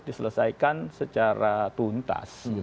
diselesaikan secara tuntas